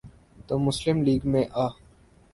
تو مسلم لیگ میں آ۔